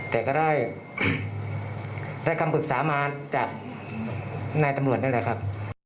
แต่ก็ได้รายคำปรึกษามาจากนายตำรวจได้เลยครับ